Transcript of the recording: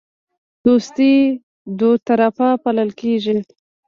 دوستي دوطرفه پالل کیږي